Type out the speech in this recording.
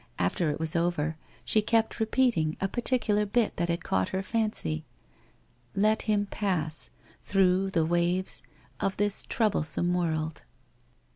After it was over, she kept repeating a particular bit that had caught her fancy. " Let him pass ... through the waves ... of this troublesome world."